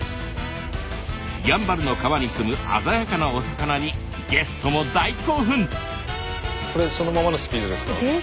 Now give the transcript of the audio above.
やんばるの川に住む鮮やかなお魚にゲストも大興奮。